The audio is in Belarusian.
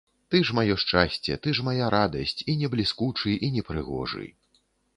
Ты ж маё шчасце, ты ж мая радасць, і не бліскучы, і не прыгожы.